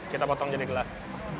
kita potong jadi gelas